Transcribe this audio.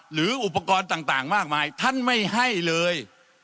หรืออุปกรณ์ต่างมากมาย